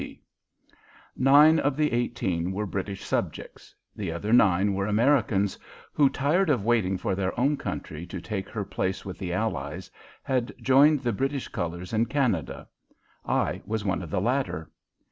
F. C. Nine of the eighteen were British subjects; the other nine were Americans, who, tired of waiting for their own country to take her place with the Allies, had joined the British colors in Canada. I was one of the latter.